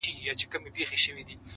یاره وتله که چيري د خدای خپل سوې,